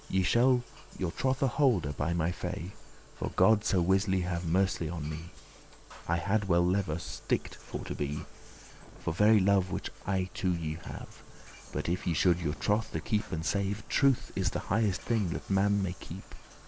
Ye shall your trothe holde, by my fay. For, God so wisly* have mercy on me, *certainly *I had well lever sticked for to be,* *I had rather be slain* For very love which I to you have, But if ye should your trothe keep and save. Truth is the highest thing that man may keep."